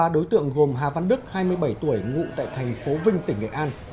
ba đối tượng gồm hà văn đức hai mươi bảy tuổi ngụ tại thành phố vinh tỉnh nghệ an